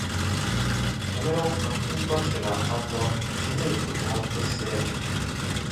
キャメロン・マッキントッシュがバンド「チヌーク」を結成。